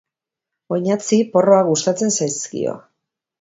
oinatzi porroak gustatzen zaizkio